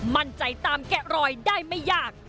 มั่นใจตามแกะรอยได้ไม่ยาก